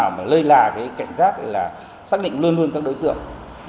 không lúc nào mà lây là cái cảnh giác là xác định luôn luôn các đối tượng